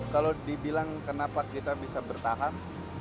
kalau dibilang kenapa kita bisa bertahan